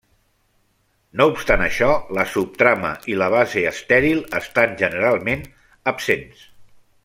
No obstant això, la subtrama i la base estèril estan generalment absents.